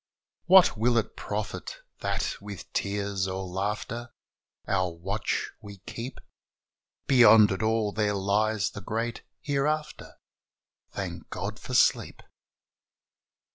What will it profit that with teavs or laughter Our watch we keep? Beyond it all there lies the Great Hereafter! Thank God for sleep!